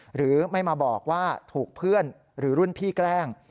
หรือไม่มาบอกว่าถูกเพื่อนหรือรุ่นพี่แกล้ง